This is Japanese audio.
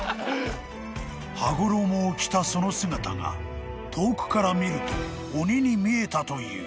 ［羽衣を着たその姿が遠くから見ると鬼に見えたという］